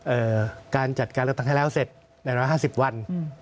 เอ่อการจัดการเลือกทางให้แล้วเสร็จใน๑๕๐วัน